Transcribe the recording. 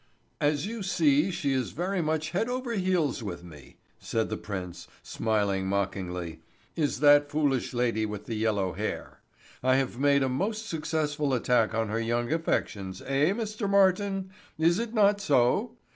"As you see, she is very much head over heels with me," said the prince, smiling mockingly, "is that foolish lady with the yellow hair. I have made a most successful attack on her young affections, eh, Mr. Martin? Is it not so?